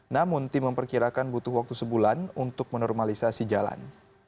namun tim memperkirakan butuh waktu sebulan untuk menormalisasi jalan